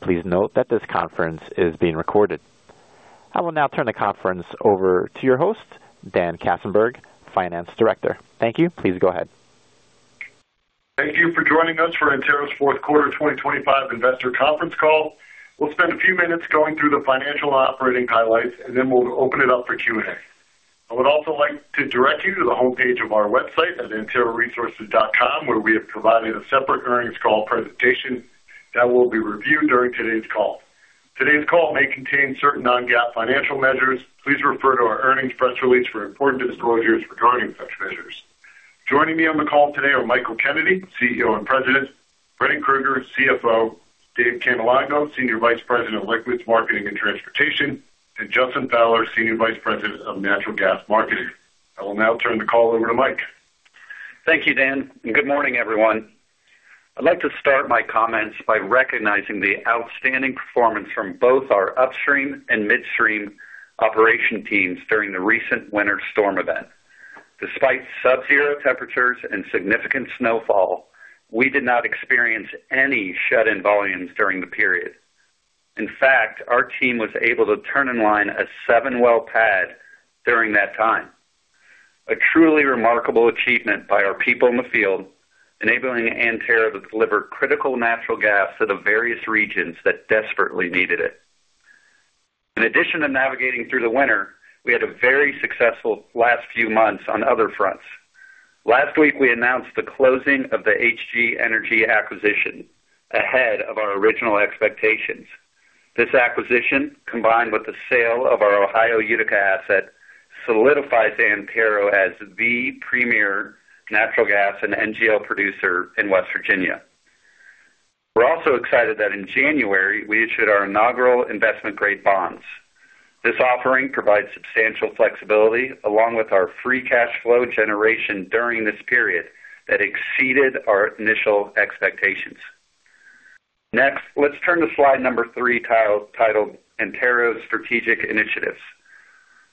Please note that this conference is being recorded. I will now turn the conference over to your host, Dan Katzenberg, Finance Director. Thank you. Please go ahead. Thank you for joining us for Antero's fourth quarter 2025 investor conference call. We'll spend a few minutes going through the financial and operating highlights, and then we'll open it up for Q&A. I would also like to direct you to the homepage of our website at anteroresources.com, where we have provided a separate earnings call presentation that will be reviewed during today's call. Today's call may contain certain non-GAAP financial measures. Please refer to our earnings press release for important disclosures regarding such measures. Joining me on the call today are Michael Kennedy, CEO and President, Brendan Krueger, CFO, Dave Cannelongo, Senior Vice President of Liquids, Marketing, and Transportation, and Justin Fowler, Senior Vice President of Natural Gas Marketing. I will now turn the call over to Mike. Thank you, Dan, and good morning, everyone. I'd like to start my comments by recognizing the outstanding performance from both our upstream and midstream operation teams during the recent winter storm event. Despite subzero temperatures and significant snowfall, we did not experience any shut-in volumes during the period. In fact, our team was able to turn in line a 7-well pad during that time. A truly remarkable achievement by our people in the field, enabling Antero to deliver critical natural gas to the various regions that desperately needed it. In addition to navigating through the winter, we had a very successful last few months on other fronts. Last week, we announced the closing of the HG Energy acquisition ahead of our original expectations. This acquisition, combined with the sale of our Ohio Utica asset, solidifies Antero as the premier natural gas and NGL producer in West Virginia. We're also excited that in January, we issued our inaugural investment-grade bonds. This offering provides substantial flexibility, along with our free cash flow generation during this period that exceeded our initial expectations. Next, let's turn to slide number 3, titled Antero's Strategic Initiatives.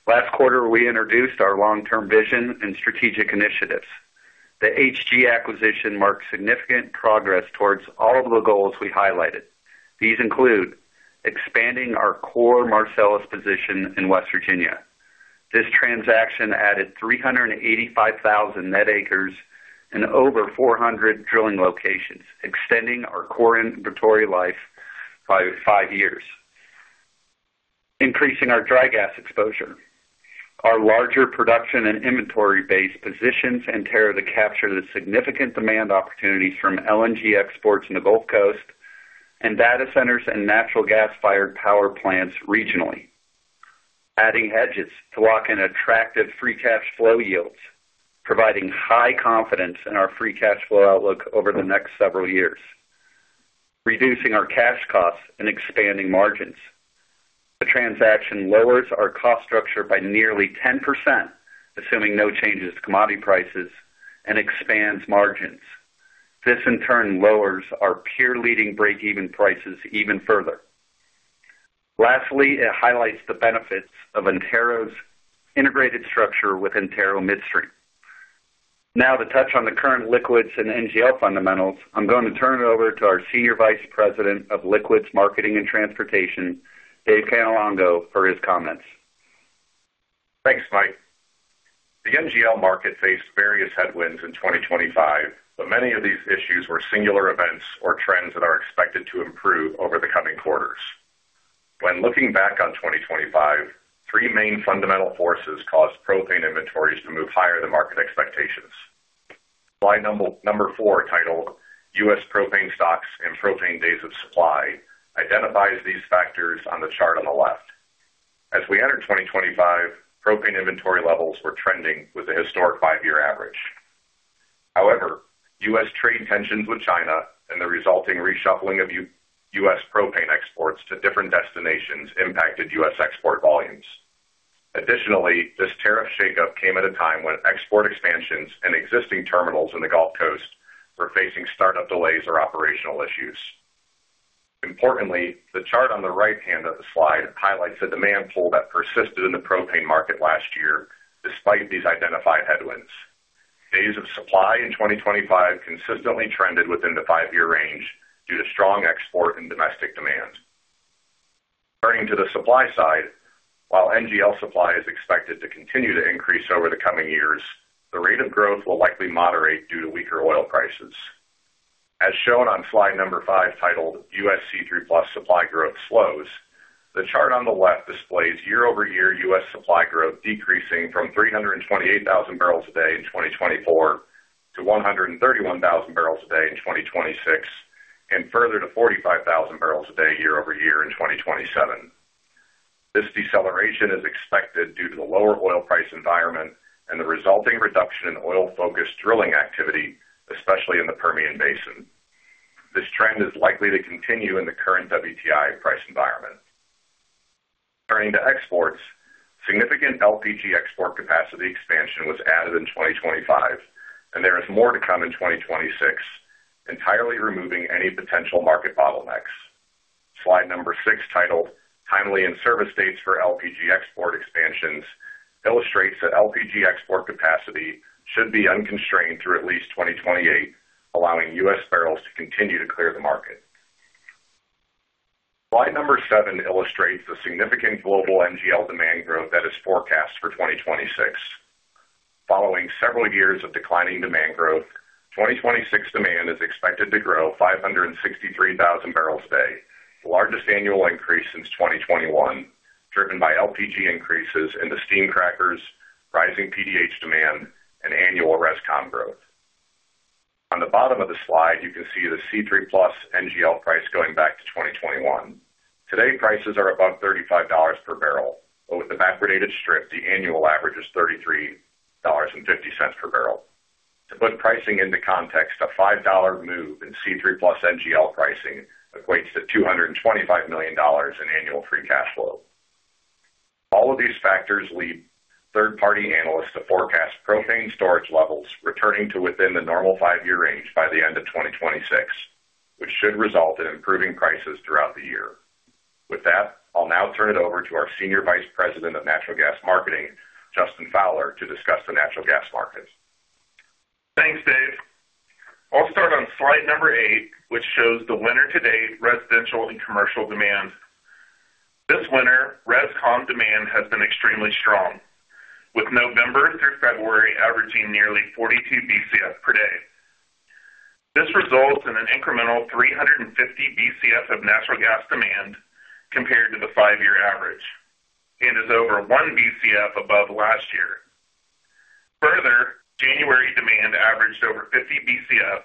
Last quarter, we introduced our long-term vision and strategic initiatives. The HG acquisition marked significant progress towards all of the goals we highlighted. These include expanding our core Marcellus position in West Virginia. This transaction added 385,000 net acres and over 400 drilling locations, extending our core inventory life by 5 years. Increasing our dry gas exposure. Our larger production and inventory base positions Antero to capture the significant demand opportunities from LNG exports in the Gulf Coast and data centers and natural gas-fired power plants regionally. Adding hedges to lock in attractive free cash flow yields, providing high confidence in our free cash flow outlook over the next several years. Reducing our cash costs and expanding margins. The transaction lowers our cost structure by nearly 10%, assuming no changes to commodity prices and expands margins. This, in turn, lowers our peer-leading break-even prices even further. Lastly, it highlights the benefits of Antero's integrated structure with Antero Midstream. Now, to touch on the current liquids and NGL fundamentals, I'm going to turn it over to our Senior Vice President of Liquids Marketing and Transportation, Dave Cannelongo, for his comments. Thanks, Mike. The NGL market faced various headwinds in 2025, but many of these issues were singular events or trends that are expected to improve over the coming quarters. When looking back on 2025, three main fundamental forces caused propane inventories to move higher than market expectations. Slide number four, titled US Propane Stocks and Propane Days of Supply, identifies these factors on the chart on the left. As we entered 2025, propane inventory levels were trending with a historic five-year average. However, US trade tensions with China and the resulting reshuffling of US propane exports to different destinations impacted US export volumes. Additionally, this tariff shakeup came at a time when export expansions and existing terminals in the Gulf Coast were facing startup delays or operational issues. Importantly, the chart on the right hand of the slide highlights the demand pull that persisted in the propane market last year, despite these identified headwinds. Days of supply in 2025 consistently trended within the 5-year range due to strong export and domestic demand. Turning to the supply side, while NGL supply is expected to continue to increase over the coming years, the rate of growth will likely moderate due to weaker oil prices. As shown on slide number 5, titled US C3+ Supply Growth Slows, the chart on the left displays year-over-year U.S. supply growth decreasing from 328,000 barrels a day in 2024 to 131,000 barrels a day in 2026, and further to 45,000 barrels a day year over year in 2027. This deceleration is expected due to the lower oil price environment and the resulting reduction in oil-focused drilling activity, especially in the Permian Basin. This trend is likely to continue in the current WTI price environment. Turning to exports, significant LPG export capacity expansion was added in 2025, and there is more to come in 2026, entirely removing any potential market bottlenecks. Slide 6, titled Timely and Service Dates for LPG Export Expansions, illustrates that LPG export capacity should be unconstrained through at least 2028, allowing US barrels to continue to clear the market. Slide 7 illustrates the significant global NGL demand growth that is forecast for 2026. Following several years of declining demand growth, 2026 demand is expected to grow 563,000 barrels a day, the largest annual increase since 2021, driven by LPG increases in the steam crackers, rising PDH demand, and annual Res/Com growth. On the bottom of the slide, you can see the C3+ NGL price going back to 2021. Today, prices are above $35 per barrel, but with the backwardated strip, the annual average is $33.50 per barrel. To put pricing into context, a $5 move in C3+ NGL pricing equates to $225 million in annual free cash flow. All of these factors lead third-party analysts to forecast propane storage levels returning to within the normal 5-year range by the end of 2026, which should result in improving prices throughout the year. With that, I'll now turn it over to our Senior Vice President of Natural Gas Marketing, Justin Fowler, to discuss the natural gas markets. Thanks, Dave. I'll start on slide number 8, which shows the winter-to-date residential and commercial demand. This winter, Res Com demand has been extremely strong, with November through February averaging nearly 42 BCF per day. This results in an incremental 350 BCF of natural gas demand compared to the five-year average and is over 1 BCF above last year. Further, January demand averaged over 50 BCF,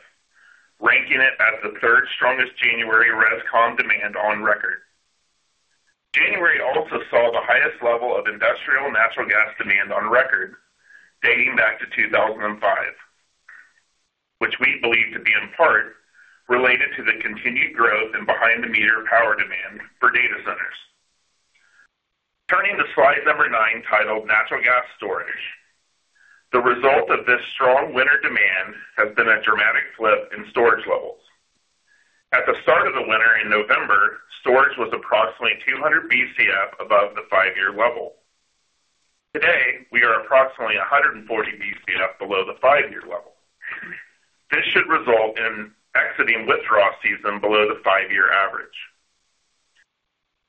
ranking it as the third strongest January Res Com demand on record. January also saw the highest level of industrial natural gas demand on record, dating back to 2005, which we believe to be in part related to the continued growth in behind-the-meter power demand for data centers. Turning to slide number 9, titled Natural Gas Storage, the result of this strong winter demand has been a dramatic flip in storage levels. At the start of the winter in November, storage was approximately 200 BCF above the five-year level. Today, we are approximately 140 BCF below the five-year level. This should result in exiting withdrawal season below the five-year average.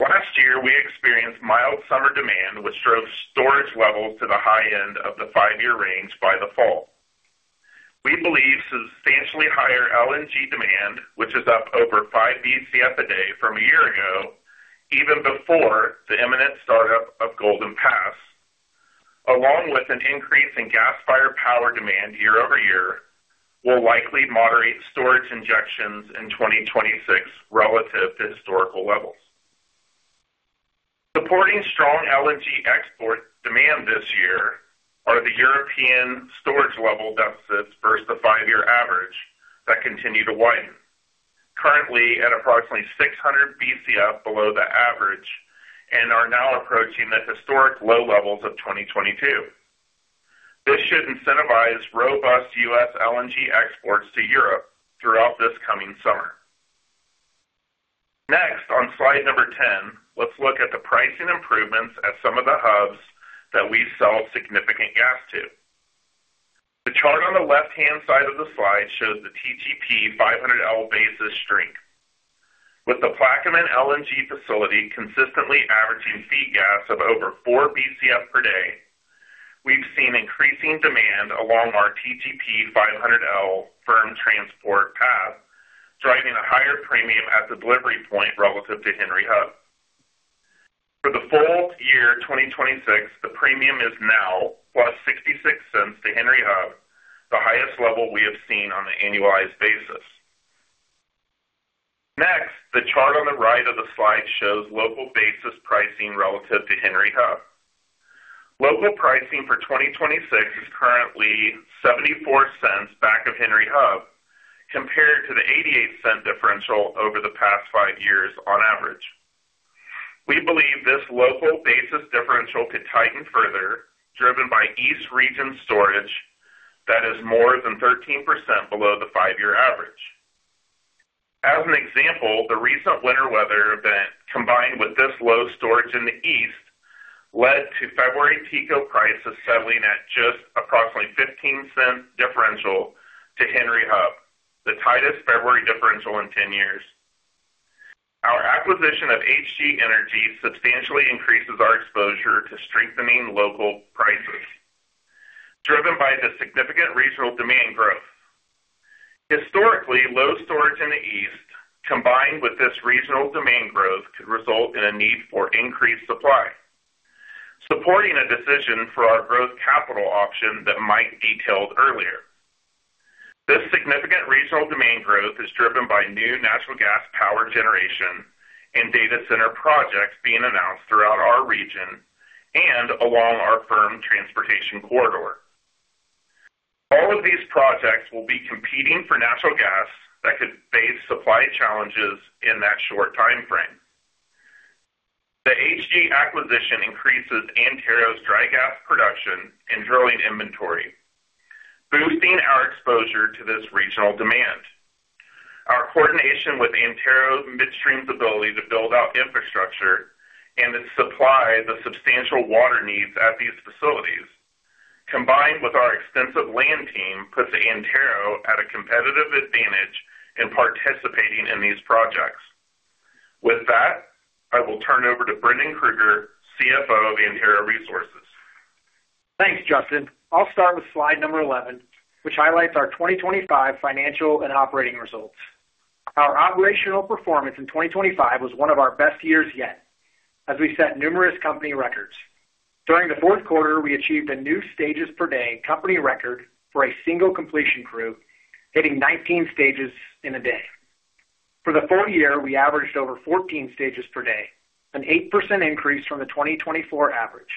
Last year, we experienced mild summer demand, which drove storage levels to the high end of the five-year range by the fall. We believe substantially higher LNG demand, which is up over 5 BCF a day from a year ago, even before the imminent startup of Golden Pass, along with an increase in gas-fired power demand year over year, will likely moderate storage injections in 2026 relative to historical levels. Supporting strong LNG export demand this year are the European storage level deficits versus the five-year average that continue to widen, currently at approximately 600 Bcf below the average and are now approaching the historic low levels of 2022. This should incentivize robust U.S. LNG exports to Europe throughout this coming summer. Next, on slide number 10, let's look at the pricing improvements at some of the hubs that we sell significant gas to. The chart on the left-hand side of the slide shows the TGP 500L basis strength. With the Plaquemines LNG facility consistently averaging feed gas of over 4 Bcf per day, we've seen increasing demand along our TGP 500L firm transport path, driving a higher premium at the delivery point relative to Henry Hub. For the full year 2026, the premium is now +66 cents to Henry Hub, the highest level we have seen on an annualized basis. Next, the chart on the right of the slide shows local basis pricing relative to Henry Hub. Local pricing for 2026 is currently 74 cents back of Henry Hub, compared to the 88-cent differential over the past five years on average. We believe this local basis differential could tighten further, driven by East Region storage that is more than 13% below the five-year average. As an example, the recent winter weather event, combined with this low storage in the East, led to February TCO prices settling at just approximately 15 cents differential to Henry Hub, the tightest February differential in 10 years. Our acquisition of HG Energy substantially increases our exposure to strengthening local prices, driven by the significant regional demand growth. Historically, low storage in the East, combined with this regional demand growth, could result in a need for increased supply, supporting a decision for our growth capital option that Mike detailed earlier. This significant regional demand growth is driven by new natural gas power generation and data center projects being announced throughout our region and along our firm transportation corridor. All of these projects will be competing for natural gas that could face supply challenges in that short timeframe. The HG acquisition increases Antero's dry gas production and drilling inventory, boosting our exposure to this regional demand. ...with Antero Midstream ability to build out infrastructure and to supply the substantial water needs at these facilities, combined with our extensive land team, puts Antero at a competitive advantage in participating in these projects. With that, I will turn over to Brendan Krueger, CFO of Antero Resources. Thanks, Justin. I'll start with slide number 11, which highlights our 2025 financial and operating results. Our operational performance in 2025 was one of our best years yet, as we set numerous company records. During the fourth quarter, we achieved a new stages per day company record for a single completion crew, hitting 19 stages in a day. For the full year, we averaged over 14 stages per day, an 8% increase from the 2024 average.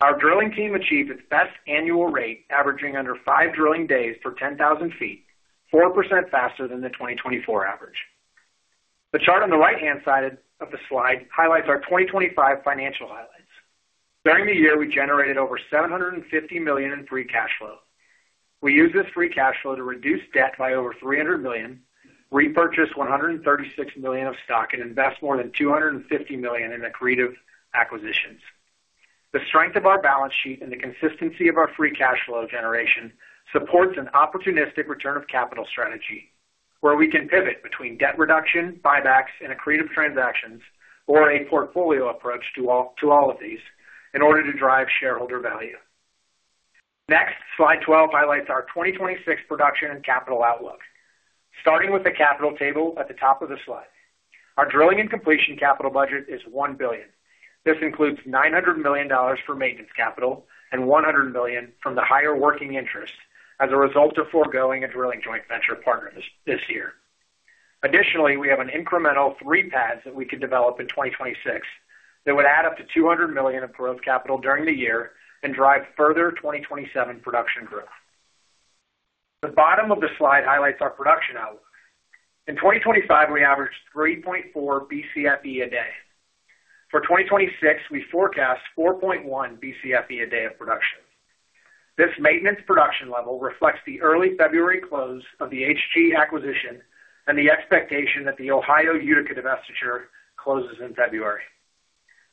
Our drilling team achieved its best annual rate, averaging under 5 drilling days per 10,000 feet, 4% faster than the 2024 average. The chart on the right-hand side of the slide highlights our 2025 financial highlights. During the year, we generated over $750 million in free cash flow. We used this free cash flow to reduce debt by over $300 million, repurchase $136 million of stock, and invest more than $250 million in accretive acquisitions. The strength of our balance sheet and the consistency of our free cash flow generation support an opportunistic return of capital strategy, where we can pivot between debt reduction, buybacks, and accretive transactions, or a portfolio approach to all, to all of these in order to drive shareholder value. Next, slide 12 highlights our 2026 production and capital outlook. Starting with the capital table at the top of the slide, our drilling and completion capital budget is $1 billion. This includes $900 million for maintenance capital and $100 million from the higher working interest as a result of foregoing a drilling joint venture partner this, this year. Additionally, we have an incremental three pads that we could develop in 2026 that would add up to $200 million of growth capital during the year and drive further 2027 production growth. The bottom of the slide highlights our production outlook. In 2025, we averaged 3.4 Bcfe a day. For 2026, we forecast 4.1 Bcfe a day of production. This maintenance production level reflects the early February close of the HG acquisition and the expectation that the Ohio Utica divestiture closes in February.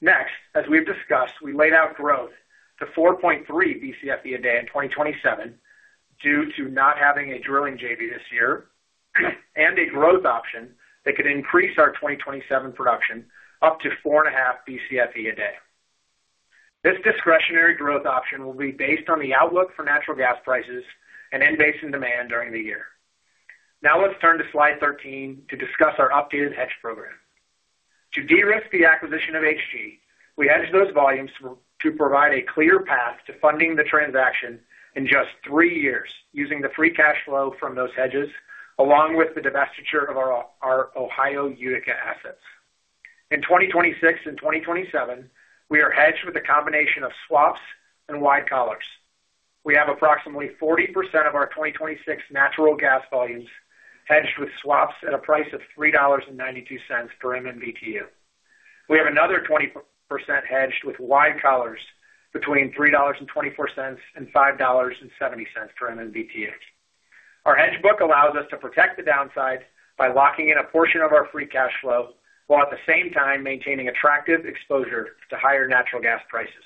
Next, as we've discussed, we laid outgrowth to 4.3 Bcfe a day in 2027 due to not having a drilling JV this year, and a growth option that could increase our 2027 production up to 4.5 Bcfe a day. This discretionary growth option will be based on the outlook for natural gas prices and in-basin demand during the year. Now let's turn to slide 13 to discuss our updated hedge program. To de-risk the acquisition of HG, we hedged those volumes to provide a clear path to funding the transaction in just 3 years, using the free cash flow from those hedges, along with the divestiture of our Ohio Utica assets. In 2026 and 2027, we are hedged with a combination of swaps and wide collars. We have approximately 40% of our 2026 natural gas volumes hedged with swaps at a price of $3.92 per MMBtu. We have another 20% hedged with wide collars between $3.24 and $5.70 per MMBtu. Our hedge book allows us to protect the downside by locking in a portion of our free cash flow, while at the same time maintaining attractive exposure to higher natural gas prices.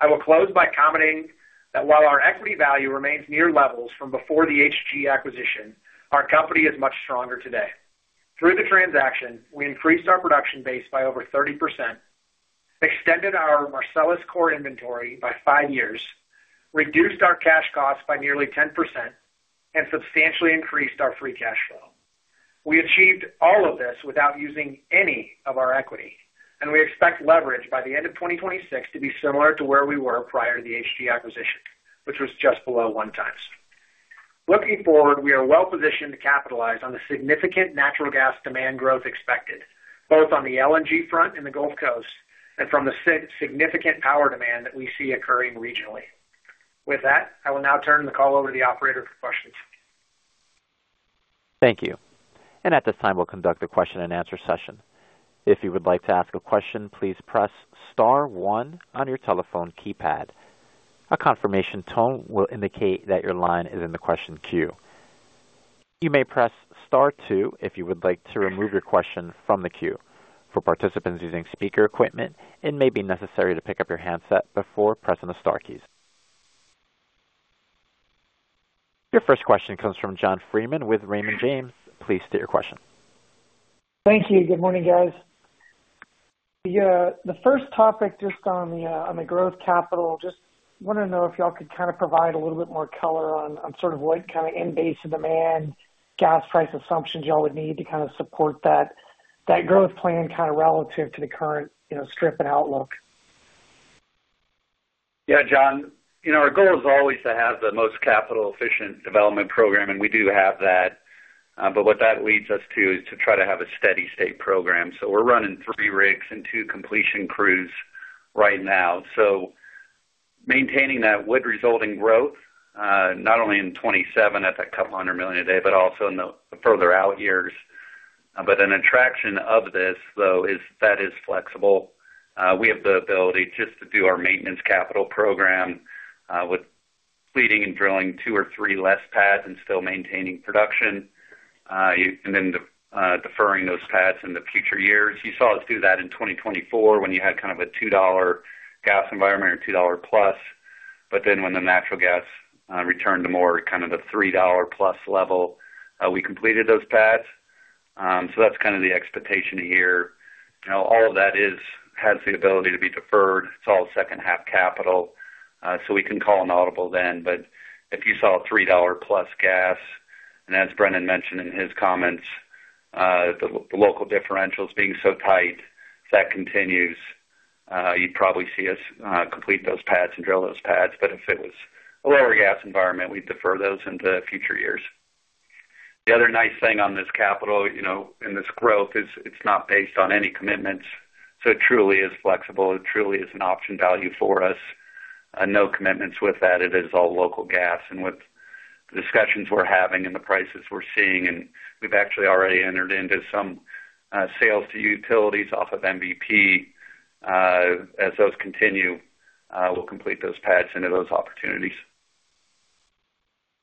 I will close by commenting that while our equity value remains near levels from before the HG acquisition, our company is much stronger today. Through the transaction, we increased our production base by over 30%, extended our Marcellus core inventory by five years, reduced our cash costs by nearly 10%, and substantially increased our free cash flow. We achieved all of this without using any of our equity, and we expect leverage by the end of 2026 to be similar to where we were prior to the HG acquisition, which was just below 1x. Looking forward, we are well positioned to capitalize on the significant natural gas demand growth expected, both on the LNG front and the Gulf Coast, and from the significant power demand that we see occurring regionally. With that, I will now turn the call over to the operator for questions. Thank you. And at this time, we'll conduct a question-and-answer session. If you would like to ask a question, please press * 1 on your telephone keypad. A confirmation tone will indicate that your line is in the question queue. You may press * 2 if you would like to remove your question from the queue. For participants using speaker equipment, it may be necessary to pick up your handset before pressing the star keys. Your first question comes from John Freeman with Raymond James. Please state your question. Thank you. Good morning, guys. Yeah, the first topic just on the growth capital. Just want to know if y'all could kind of provide a little bit more color on sort of what kind of in-basin demand, gas price assumptions y'all would need to support that growth plan, kind of relative to the current, you know, stripping outlook. Yeah, John, you know, our goal is always to have the most capital-efficient development program, and we do have that. But what that leads us to is to try to have a steady state program. We're running three rigs and two completion crews right now. Maintaining that would result in growth, not only in 2027 at that 200 million a day, but also in the further out years. ...But an attraction of this, though, is that is flexible. We have the ability just to do our maintenance capital program, with completing and drilling 2 or 3 less pads and still maintaining production, and then, deferring those pads in the future years. You saw us do that in 2024, when you had kind of a $2 gas environment or $2+. But then when the natural gas, returned to more kind of the $3+ level, we completed those pads. So that's kind of the expectation here. You know, all of that is—has the ability to be deferred. It's all second-half capital, so we can call an audible then. But if you saw a $3+ gas, and as Brendan mentioned in his comments, the local differentials being so tight, if that continues, you'd probably see us complete those pads and drill those pads. But if it was a lower gas environment, we'd defer those into future years. The other nice thing on this capital, you know, and this growth is it's not based on any commitments, so it truly is flexible. It truly is an option value for us. No commitments with that. It is all local gas. And with the discussions we're having and the prices we're seeing, and we've actually already entered into some sales to utilities off of MVP. As those continue, we'll complete those pads into those opportunities.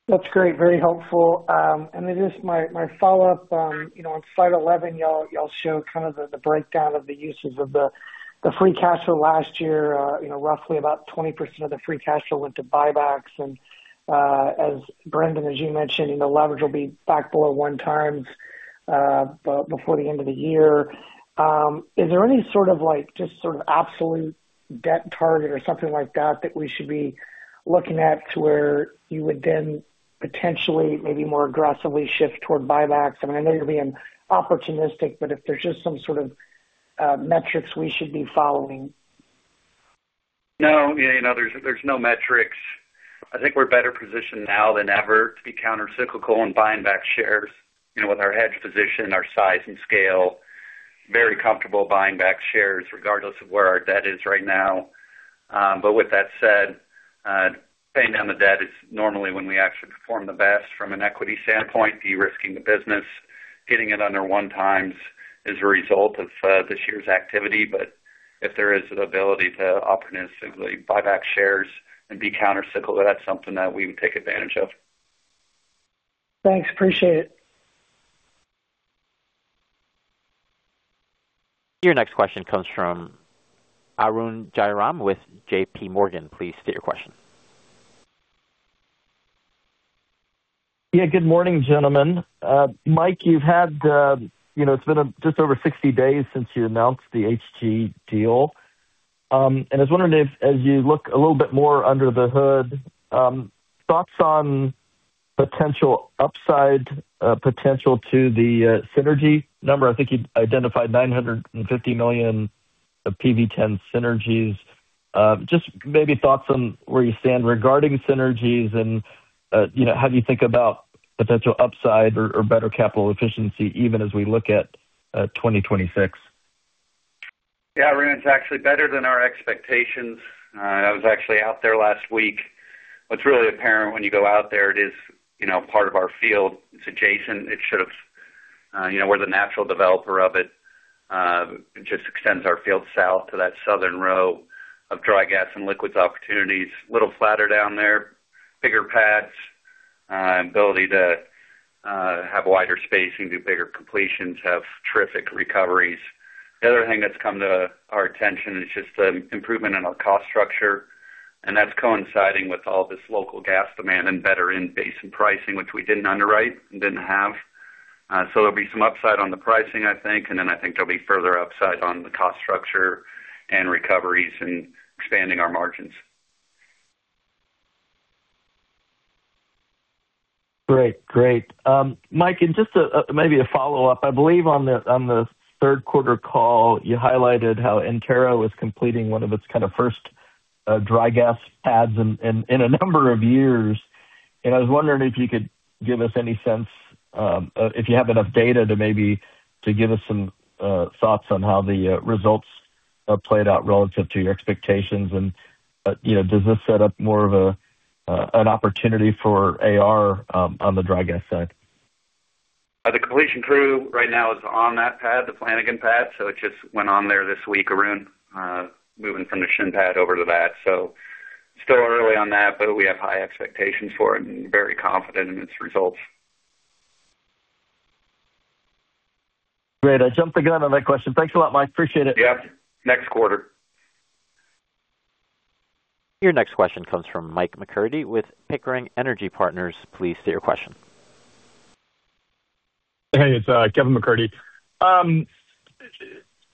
That's great. Very helpful. And then just my follow-up, you know, on slide 11, y'all show kind of the breakdown of the usage of the free cash flow last year. You know, roughly about 20% of the free cash flow went to buybacks, and, as Brendan, as you mentioned, the leverage will be back below 1x, before the end of the year. Is there any sort of like, just sort of absolute debt target or something like that, that we should be looking at to where you would then potentially maybe more aggressively shift toward buybacks? I mean, I know you'll be opportunistic, but if there's just some sort of, metrics we should be following. No, you know, there's no metrics. I think we're better positioned now than ever to be countercyclical and buying back shares, you know, with our hedge position, our size and scale. Very comfortable buying back shares regardless of where our debt is right now. But with that said, paying down the debt is normally when we actually perform the best from an equity standpoint, de-risking the business, getting it under one times is a result of this year's activity. But if there is an ability to opportunistically buy back shares and be countercyclical, that's something that we would take advantage of. Thanks. Appreciate it. Your next question comes from Arun Jayaram with JP Morgan. Please state your question. Yeah. Good morning, gentlemen. Mike, you've had, you know, it's been just over 60 days since you announced the HG deal. And I was wondering if, as you look a little bit more under the hood, thoughts on potential upside, potential to the, synergy number. I think you identified $950 million of PV-10 synergies. Just maybe thoughts on where you stand regarding synergies and, you know, how do you think about potential upside or, or better capital efficiency even as we look at, 2026? Yeah, Arun, it's actually better than our expectations. I was actually out there last week. What's really apparent when you go out there, it is, you know, part of our field. It's adjacent. It should have, you know, we're the natural developer of it. It just extends our field south to that southern row of dry gas and liquids opportunities. A little flatter down there, bigger pads, ability to, have wider spacing, do bigger completions, have terrific recoveries. The other thing that's come to our attention is just the improvement in our cost structure, and that's coinciding with all this local gas demand and better in basin pricing, which we didn't underwrite and didn't have. So there'll be some upside on the pricing, I think, and then I think there'll be further upside on the cost structure and recoveries and expanding our margins. Great. Great. Mike, and just maybe a follow-up. I believe on the third quarter call, you highlighted how Antero was completing one of its kind of first dry gas pads in a number of years. And I was wondering if you could give us any sense if you have enough data to maybe give us some thoughts on how the results have played out relative to your expectations. And you know, does this set up more of an opportunity for AR on the dry gas side? The completion crew right now is on that pad, the Flanagan Pad, so it just went on there this week, Arun, moving from the Shinn Pad over to that. So still early on that, but we have high expectations for it and very confident in its results. Great. I jumped the gun on that question. Thanks a lot, Mike. Appreciate it. Yep. Next quarter. Your next question comes from Kevin MacCurdy with Pickering Energy Partners. Please state your question. Hey, it's Kevin MacCurdy.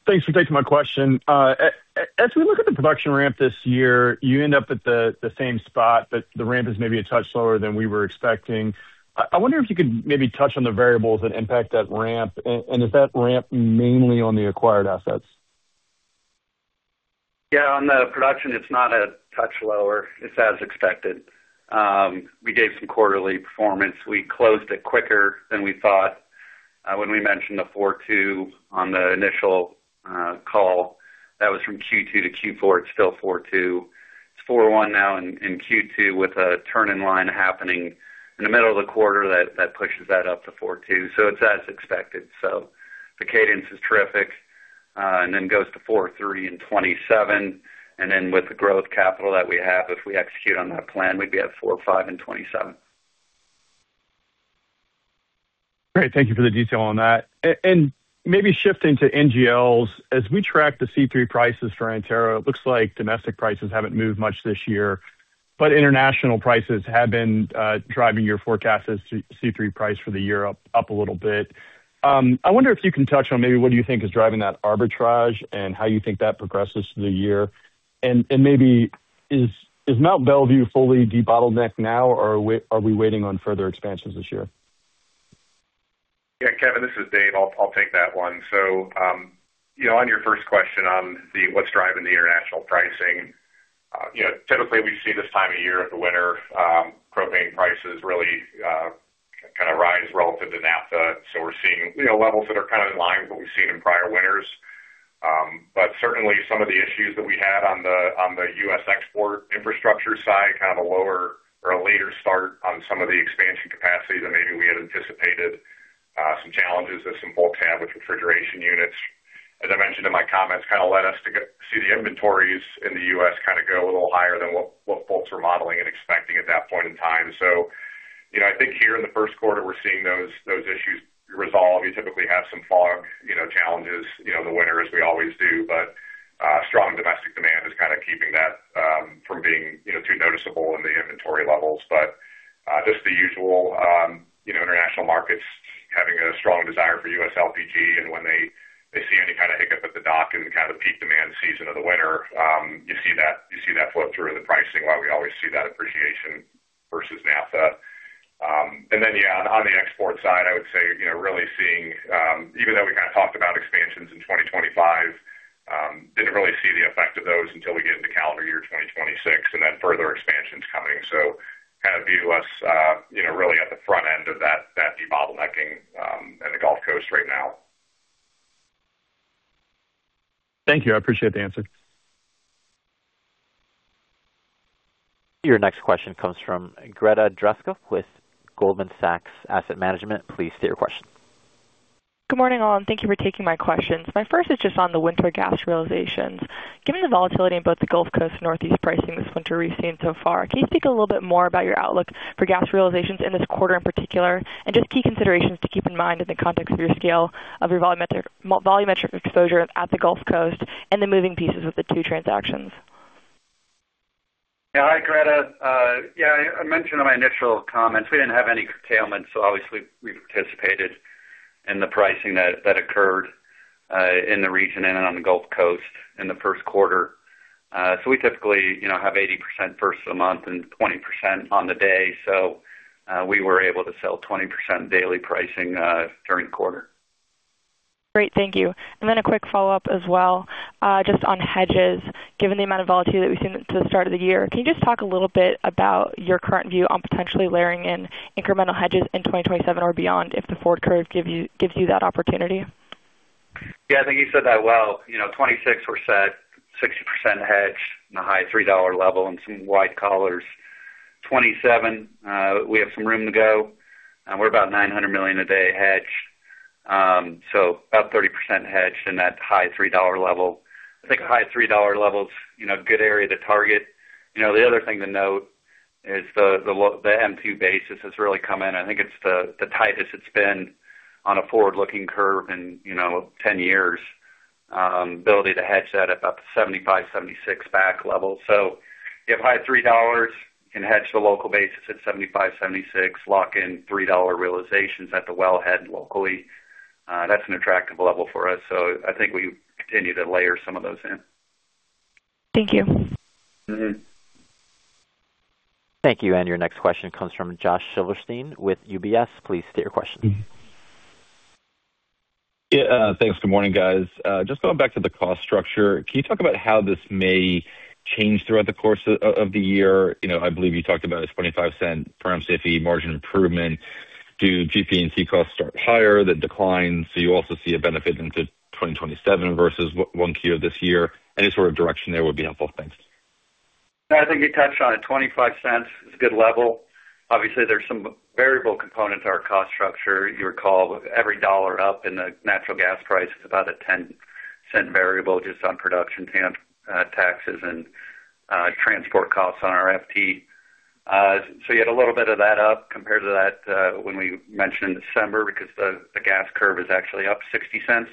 Thanks for taking my question. As we look at the production ramp this year, you end up at the same spot, but the ramp is maybe a touch slower than we were expecting. I wonder if you could maybe touch on the variables that impact that ramp, and is that ramp mainly on the acquired assets? Yeah, on the production, it's not a touch lower, it's as expected. We gave some quarterly performance. We closed it quicker than we thought. When we mentioned the 4.2 on the initial call, that was from Q2 to Q4, it's still 4.2. It's 4.1 now in, in Q2, with a turn in line happening in the middle of the quarter that, that pushes that up to 4.2. So, it's as expected. So, the cadence is terrific, and then goes to 4.3 and 27, and then with the growth capital that we have, if we execute on that plan, we'd be at 4.5 and 27. Great. Thank you for the detail on that. And maybe shifting to NGLs. As we track the C3 prices for Antero, it looks like domestic prices haven't moved much this year, but international prices have been driving your forecast as to C3 price for the year up a little bit. I wonder if you can touch on maybe what you think is driving that arbitrage and how you think that progresses through the year. And maybe is Mont Belvieu fully debottlenecked now, or are we waiting on further expansions this year? Yeah, Kevin, this is Dave. I'll take that one. So, you know, on your first question on the what's driving the international pricing, you know, typically we see this time of year at the winter, propane prices really, kind of rise relative to naphtha. So, we're seeing, you know, levels that are kind of in line with what we've seen in prior winters. But certainly, some of the issues that we had on the U.S. export infrastructure side, kind of a lower or a later start on some of the expansion capacity than maybe we had anticipated, some challenges that some folks had with refrigeration units. As I mentioned in my comments, kind of led us to see the inventories in the U.S. kind of go a little higher than what folks were modeling and expecting at that point in time. So, you know, I think here in the first quarter, we're seeing those issues resolve. You typically have some fog, you know, challenges, you know, in the winter, as we always do. But, strong domestic demand is kind of keeping that, from being, you know, too noticeable in the inventory levels. But, just the usual, you know, international markets having a strong desire for U.S. LPG, and when they see any kind of hiccup at the dock in the kind of peak demand season of the winter, you see that flow through in the pricing, why we always see that appreciation versus naphtha. And then, yeah, on the export side, I would say, you know, really seeing, even though we kind of talked about expansions in 2025, didn't really see the effect of those until we get into calendar year 2026, and then further expansions coming. So, kind of view us you know, really at the front end of that, that debottlenecking, in the Gulf Coast right now. Thank you. I appreciate the answer. Your next question comes from Greta Dreska with Goldman Sachs Asset Management. Please state your question. Good morning, all, and thank you for taking my questions. My first is just on the winter gas realizations. Given the volatility in both the Gulf Coast and Northeast pricing this winter we've seen so far, can you speak a little bit more about your outlook for gas realizations in this quarter in particular, and just key considerations to keep in mind in the context of your scale of your volumetric, volumetric exposure at the Gulf Coast and the moving pieces with the two transactions? Yeah. Hi, Greta. Yeah, I mentioned in my initial comments, we didn't have any curtailment, so obviously we participated in the pricing that occurred in the region and on the Gulf Coast in the first quarter. So we typically, you know, have 80% first of the month and 20% on the day, so we were able to sell 20% daily pricing during the quarter. Great. Thank you. And then a quick follow-up as well, just on hedges. Given the amount of volatility that we've seen at the start of the year, can you just talk a little bit about your current view on potentially layering in incremental hedges in 2027 or beyond if the forward curve gives you that opportunity? Yeah, I think you said that well. You know, 26 were set, 60% hedged in a high $3 level and some wide collars. 2027, we have some room to go, and we're about 900 million a day hedged. So about 30% hedged in that high $3 level. I think a high $3 level's, you know, a good area to target. You know, the other thing to note is the, the M2 basis has really come in. I think it's the tightest it's been on a forward-looking curve in, you know, 10 years. Ability to hedge that at about the 75, 76 back level. So, you have high $3 can hedge the local basis at 75, 76, lock in $3 realizations at the wellhead locally. That's an attractive level for us, so I think we continue to layer some of those in. Thank you. Mm-hmm. Thank you. And your next question comes from Josh Silverstein with UBS. Please state your question. Yeah, thanks. Good morning, guys. Just going back to the cost structure, can you talk about how this may change throughout the course of the year? You know, I believe you talked about a $0.25 perhaps safety margin improvement. Do GP&T costs start higher, then decline, so you also see a benefit into 2027 versus 1Q of this year? Any sort of direction there would be helpful. Thanks. I think you touched on it. $0.25 is a good level. Obviously, there's some variable components to our cost structure. You recall, with every $1 up in the natural gas price, it's about a $0.10 variable, just on production taxes, and transport costs on our FT. So, you had a little bit of that up compared to that, when we mentioned in December, because the gas curve is actually up $0.60,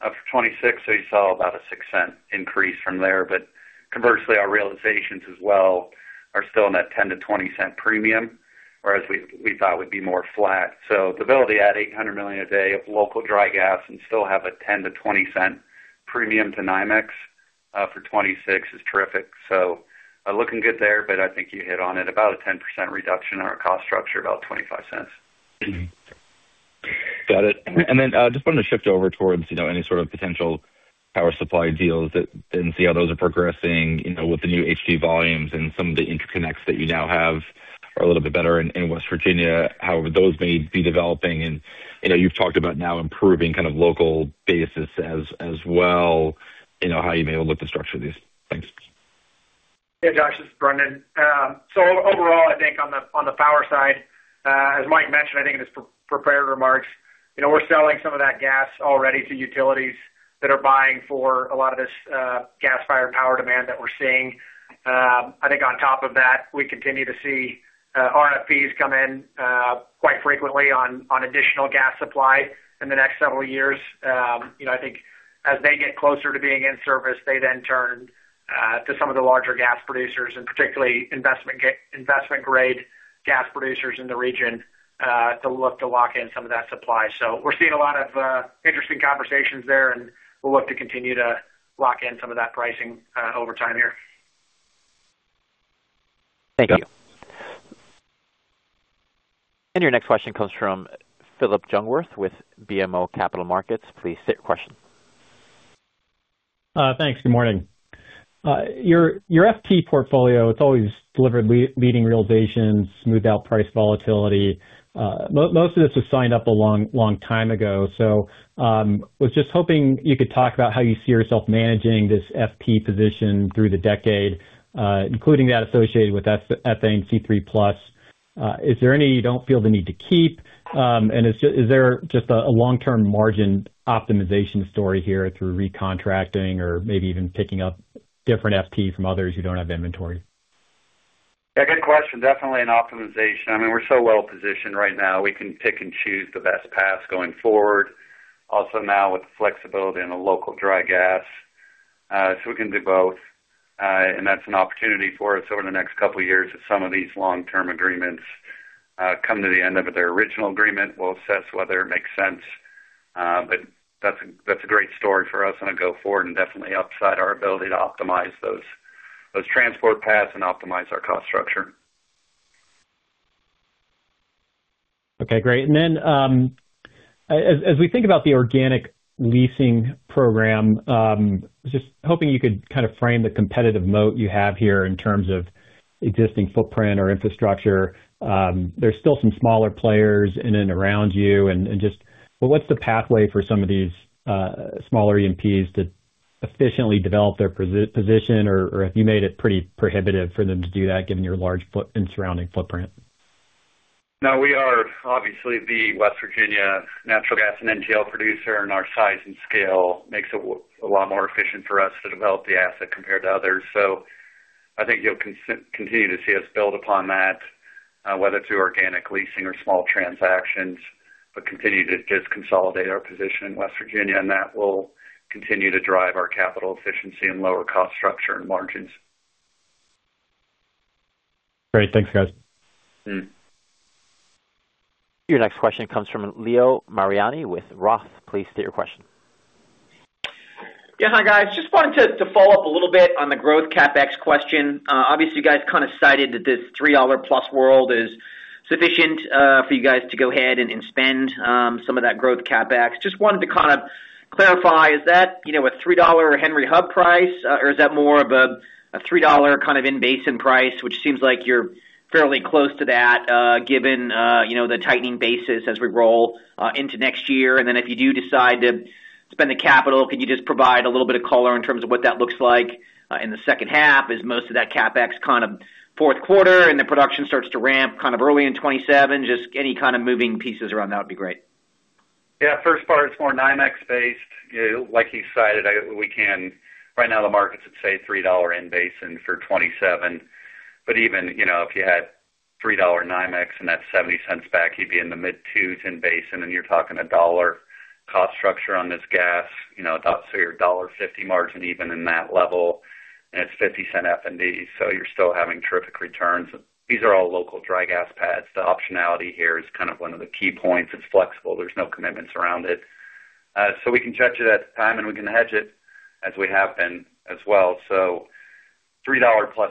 up for 2026, so you saw about a $0.06 increase from there. But conversely, our realizations as well are still in that $0.10-$0.20 premium, whereas we thought it would be more flat. So, the ability to add 800 million a day of local dry gas and still have a $0.10-$0.20 premium to NYMEX, for 2026 is terrific. Looking good there, but I think you hit on it about a 10% reduction in our cost structure, about $0.25. Got it. And then, just wanted to shift over towards, you know, any sort of potential power supply deals and see how those are progressing, you know, with the new HD volumes and some of the interconnects that you now have. ...are a little bit better in West Virginia, however, those may be developing. And, you know, you've talked about now improving kind of local basis as well, you know, how you may look to structure these things. Hey, Josh, this is Brendan. So overall, I think on the, on the power side, as Mike mentioned, I think in his pre-prepared remarks, you know, we're selling some of that gas already to utilities that are buying for a lot of this, gas-fired power demand that we're seeing. I think on top of that, we continue to see, RFPs come in, quite frequently on, on additional gas supply in the next several years. You know, I think as they get closer to being in service, they then turn, to some of the larger gas producers, and particularly investment-grade gas producers in the region, to look to lock in some of that supply. So we're seeing a lot of, interesting conversations there, and we'll look to continue to lock in some of that pricing, over time here. Thank you. Your next question comes from Philip Jungwirth with BMO Capital Markets. Please state your question. Thanks. Good morning. Your FT portfolio, it's always delivered leading realizations, smoothed out price volatility. Most of this was signed up a long, long time ago, so, was just hoping you could talk about how you see yourself managing this FT position through the decade, including that associated with ethane C3+. Is there any you don't feel the need to keep? And is there just a long-term margin optimization story here through recontracting or maybe even picking up different FT from others who don't have inventory? Yeah, good question. Definitely an optimization. I mean, we're so well positioned right now. We can pick and choose the best paths going forward. Also, now with the flexibility in the local dry gas, so we can do both, and that's an opportunity for us over the next couple of years, as some of these long-term agreements come to the end of their original agreement. We'll assess whether it makes sense, but that's a great story for us on a go-forward and definitely upside our ability to optimize those transport paths and optimize our cost structure. Okay, great. And then, as we think about the organic leasing program, just hoping you could kind of frame the competitive moat you have here in terms of existing footprint or infrastructure. There's still some smaller players in and around you, and just-- what's the pathway for some of these smaller E&Ps to efficiently develop their position, or have you made it pretty prohibitive for them to do that, given your large footprint and surrounding footprint? No, we are obviously the West Virginia natural gas and NGL producer, and our size and scale make it a lot more efficient for us to develop the asset compared to others. So, I think you'll continue to see us build upon that, whether through organic leasing or small transactions, but continue to just consolidate our position in West Virginia, and that will continue to drive our capital efficiency and lower cost structure and margins. Great. Thanks, guys. Mm-hmm. Your next question comes from Leo Mariani with Roth. Please state your question. Yeah. Hi, guys. Just wanted to follow up a little bit on the growth CapEx question. Obviously, you guys' kind of cited that this $3+ world is sufficient for you guys to go ahead and spend some of that growth CapEx. Just wanted to kind of clarify, is that, you know, a $3 Henry Hub price, or is that more of a $3 kind of in-basin price, which seems like you're fairly close to that, given, you know, the tightening basis as we roll into next year? And then if you do decide to spend the capital, could you just provide a little bit of color in terms of what that looks like in the second half? Is most of that CapEx kind of fourth quarter, and the production starts to ramp kind of early in 2027? Just any kind of moving pieces around that would be great. Yeah. First part, it's more NYMEX-based. Like you cited... Right now, the market's at, say, $3 in-basin for 2027, but even, you know, if you had $3 NYMEX and that $0.70 back, you'd be in the mid-2s in-basin, and you're talking a $1 cost structure on this gas, you know, about, so your $1.50 margin even in that level, and it's $0.50 FND, so you're still having terrific returns. These are all local dry gas pads. The optionality here is kind of one of the key points. It's flexible. There's no commitments around it. So, we can judge it at the time, and we can hedge it as we have been as well. So $3+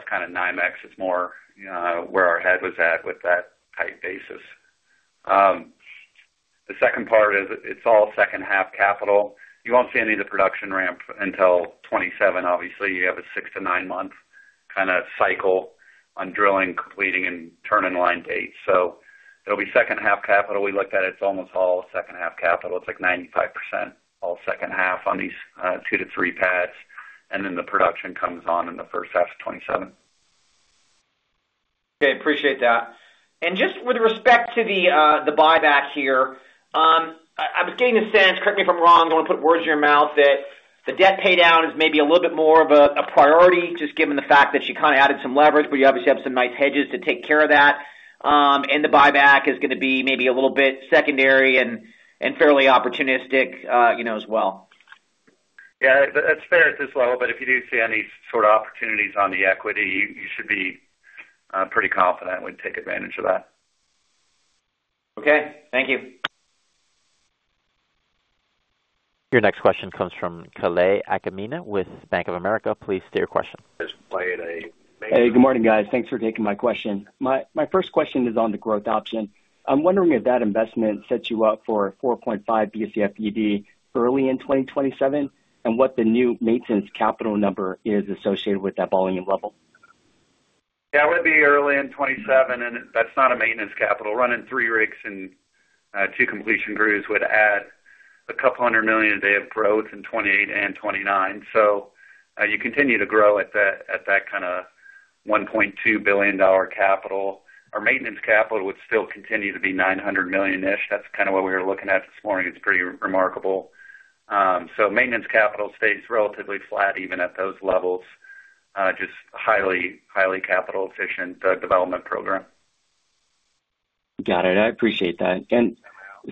kind of NYMEX is more, where our head was at with that tight basis. The second part is, it's all second-half capital. You won't see any of the production ramp until 2027. Obviously, you have a 6- to 9-month kind of cycle on drilling, completing, and turning line dates. So it'll be second-half capital. We looked at it, it's almost all second-half capital. It's like 95%, all second half on these 2- to 3 pads, and then the production comes on in the first half of 2027. Okay, appreciate that. And just with respect to the buyback here, I was getting the sense, correct me if I'm wrong, don't want to put words in your mouth, that the debt paydown is maybe a little bit more of a priority, just given the fact that you kind of added some leverage, but you obviously have some nice hedges to take care of that. The buyback is going to be maybe a little bit secondary and fairly opportunistic, you know, as well. Yeah, that's fair at this level, but if you do see any sort of opportunities on the equity, you should be pretty confident we'd take advantage of that. Okay. Thank you. Your next question comes from Kale Akamine with Bank of America. Please state your question. Just play it a- Hey, good morning, guys. Thanks for taking my question. My first question is on the growth option. I'm wondering if that investment sets you up for 4.5 Bcf/d early in 2027, and what the new maintenance capital number is associated with that volume level?... Yeah, it would be early in 2027, and that's not a maintenance capital. Running three rigs and two completion crews would add a couple hundred million a day of growth in 2028 and 2029. So you continue to grow at that, at that kind of $1.2 billion capital. Our maintenance capital would still continue to be $900 million-ish. That's kind of what we were looking at this morning. It's pretty remarkable. So maintenance capital stays relatively flat, even at those levels. Just highly, highly capital efficient, the development program. Got it. I appreciate that.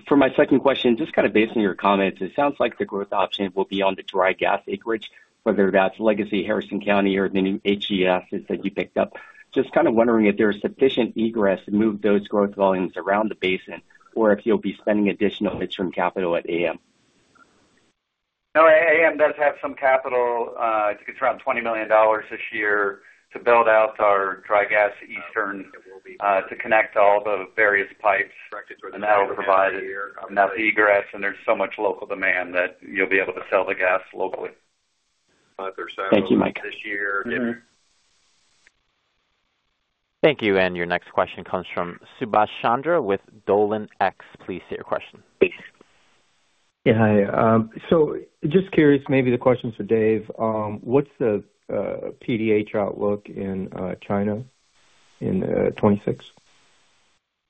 For my second question, just kind of based on your comments, it sounds like the growth option will be on the dry gas acreage, whether that's legacy Harrison County or the new HGs that you picked up. Just kind of wondering if there's sufficient egress to move those growth volumes around the basin or if you'll be spending additional midterm capital at AM? No, AM does have some capital, it's around $20 million this year to build out our dry gas eastern, to connect all the various pipes, and that will provide enough egress, and there's so much local demand that you'll be able to sell the gas locally. Thank you, Mike. Thank you. And your next question comes from Subash Chandra with Dolan X. Please state your question. Yeah, hi. So just curious, maybe the question is for Dave. What's the PDH outlook in China in 2026?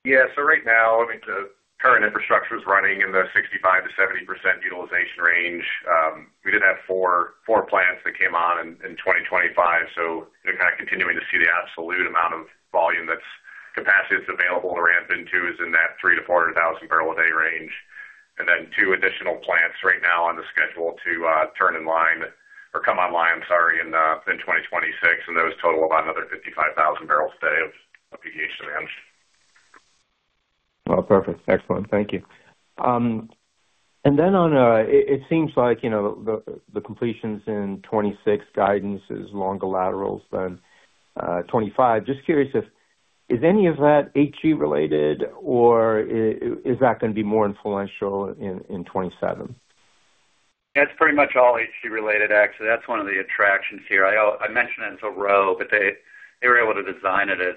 Yeah. So right now, I mean, the current infrastructure is running in the 65%-70% utilization range. We did have four, four plants that came on in, in 2025, so your kind of continuing to see the absolute amount of volume that's capacity that's available to ramp into is in that 300,000-400,000 barrel a day range. And then 2 additional plants right now on the schedule to turn in line or come online, sorry, in 2026, and those total about another 55,000 barrels a day of PDH demand. Well, perfect. Excellent. Thank you. And then on, it seems like, you know, the completions in 2026 guidance is longer laterals than 2025. Just curious if any of that HG related, or is that going to be more influential in 2027? It's pretty much all HG related, actually. That's one of the attractions here. I mentioned it's a row, but they were able to design it as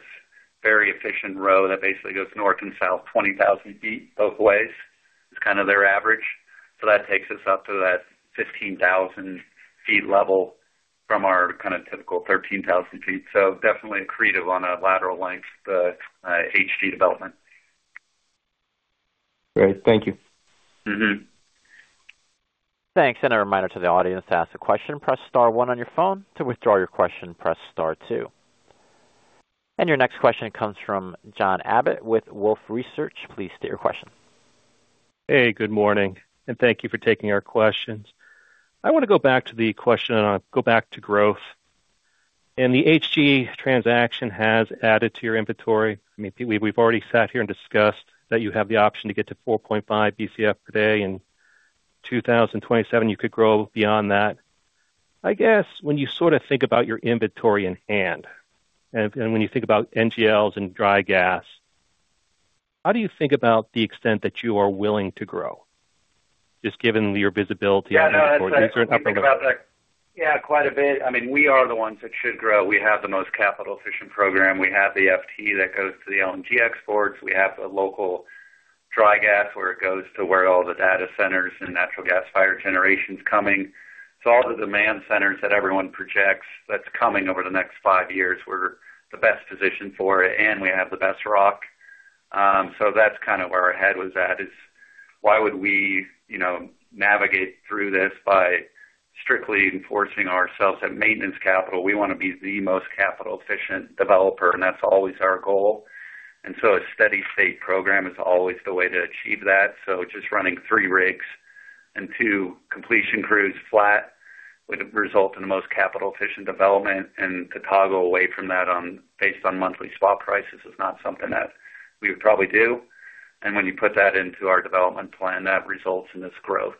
very efficient row that basically goes north and south, 20,000 feet both ways. It's kind of their average. So that takes us up to that 15,000 feet level from our kind of typical 13,000 feet. So definitely accretive on a lateral length, the HG development. Great. Thank you. Mm-hmm. Thanks, and a reminder to the audience, to ask a question, press star one on your phone. To withdraw your question, press star two. And your next question comes from John Abbott with Wolfe Research. Please state your question. Hey, good morning, and thank you for taking our questions. I want to go back to the question on growth. The HG transaction has added to your inventory. I mean, we've already sat here and discussed that you have the option to get to 4.5 Bcf today. In 2027, you could grow beyond that. I guess when you sort of think about your inventory in hand, and when you think about NGLs and dry gas, how do you think about the extent that you are willing to grow, just given your visibility on inventory? Yeah, quite a bit. I mean, we are the ones that should grow. We have the most capital-efficient program. We have the FT that goes to the LNG exports. We have a local dry gas where it goes to where all the data centers and natural gas-fired generation's coming. So, all the demand centers that everyone projects, that's coming over the next 5 years, we're the best positioned for it, and we have the best rock. So that's kind of where our head was at, is why would we, you know, navigate through this by strictly enforcing ourselves at maintenance capital? We want to be the most capital-efficient developer, and that's always our goal. And so, a steady state program is always the way to achieve that. So just running 3 rigs and 2 completion crews flat would result in the most capital-efficient development. To toggle away from that on, based on monthly swap prices, is not something that we would probably do. When you put that into our development plan, that results in this growth.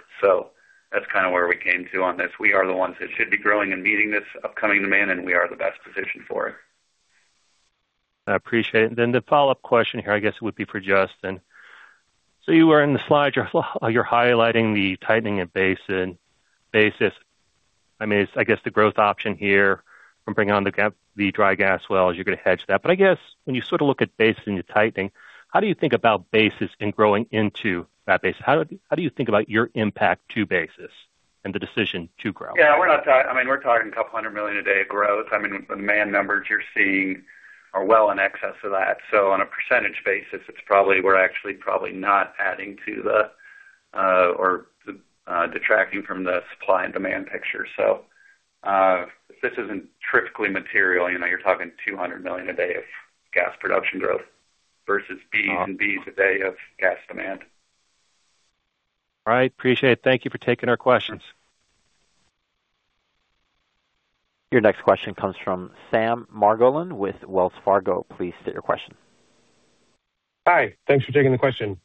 That's kind of where we came to on this. We are the ones that should be growing and meeting this upcoming demand, and we are the best positioned for it. I appreciate it. Then the follow-up question here, I guess, would be for Justin. So you were in the slide, you're highlighting the tightening of basin basis. I mean, I guess the growth option here from bringing on the dry gas wells, you're going to hedge that. But I guess when you sort of look at basis and you're tightening, how do you think about basis and growing into that basis? How do you think about your impact to basis and the decision to grow? Yeah, we're not. I mean, we're talking a couple hundred million a day of growth. I mean, the demand numbers you're seeing are well in excess of that. So on a percentage basis, it's probably, we're actually probably not adding to the or detracting from the supply and demand picture. So, this isn't typically material. You know, you're talking 200 million a day of gas production growth versus Bcf's and Bcf's a day of gas demand. All right, appreciate it. Thank you for taking our questions. Your next question comes from Sam Margolin with Wells Fargo. Please state your question. Hi, thanks for taking the question.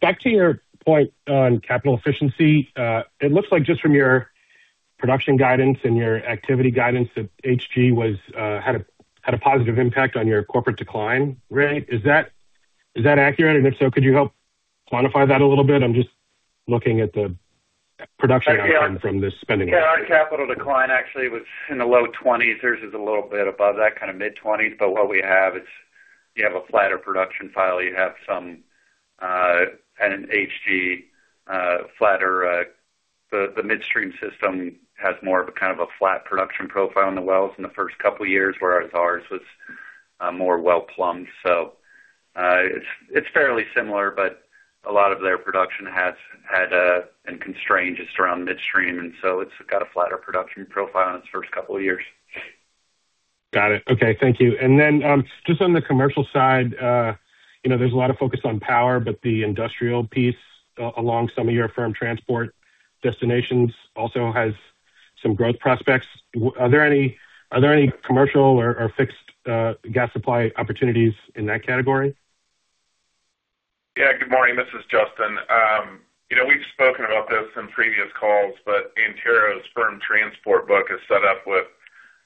Back to your point on capital efficiency, it looks like just from your production guidance and your activity guidance, that HG had a positive impact on your corporate decline rate. Is that accurate? And if so, could you help-... quantify that a little bit? I'm just looking at the production from this spending. Yeah, our capital decline actually was in the low 20s. Theirs is a little bit above that, kind of mid-20s. But what we have is you have a flatter production file. You have some, an HG, flatter... The midstream system has more of a kind of a flat production profile in the wells in the first couple of years, whereas ours was, more well plumbed. So, it's, it's fairly similar, but a lot of their production has had, and constrained just around midstream, and so it's got a flatter production profile in its first couple of years. Got it. Okay, thank you. And then, just on the commercial side, you know, there's a lot of focus on power, but the industrial piece along some of your firm transport destinations also has some growth prospects. Are there any commercial or fixed gas supply opportunities in that category? Yeah, good morning. This is Justin. You know, we've spoken about this in previous calls, but Antero's firm transport book is set up with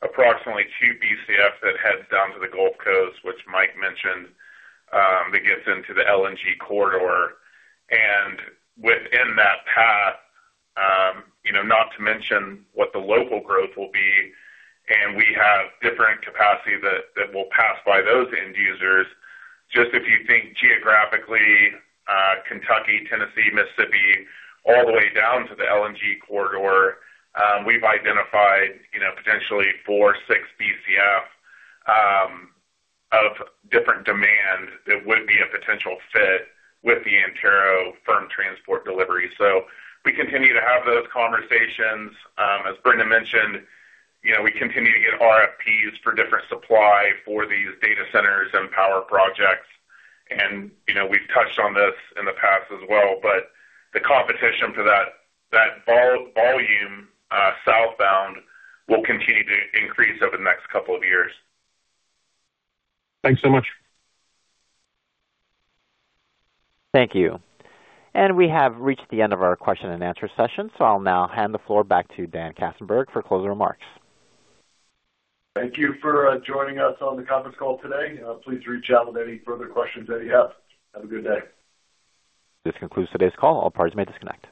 approximately 2 Bcf that heads down to the Gulf Coast, which Mike mentioned, that gets into the LNG corridor. And within that path, you know, not to mention what the local growth will be, and we have different capacity that, that will pass by those end users. Just if you think geographically, Kentucky, Tennessee, Mississippi, all the way down to the LNG corridor, we've identified, you know, potentially 4-6 Bcf of different demand that would be a potential fit with the Antero firm transport delivery. So, we continue to have those conversations. As Brendan mentioned, you know, we continue to get RFPs for different supply for these data centers and power projects. You know, we've touched on this in the past as well, but the competition for that volume southbound will continue to increase over the next couple of years. Thanks so much. Thank you. We have reached the end of our question and answer session, so I'll now hand the floor back to Dan Katzenberg for closing remarks. Thank you for joining us on the conference call today. Please reach out with any further questions that you have. Have a good day. This concludes today's call. All parties may disconnect.